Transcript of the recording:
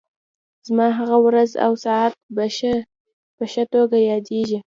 زما هغه ورځ او ساعت په ښه توګه یادېږي.